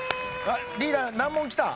リーダー難問きた。